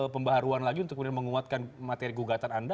pembaharuan lagi untuk kemudian menguatkan materi gugatan anda